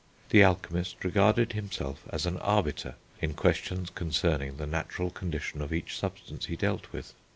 The alchemist regarded himself as an arbiter in questions concerning the natural condition of each substance he dealt with.